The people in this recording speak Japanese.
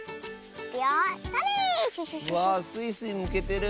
わあスイスイむけてる。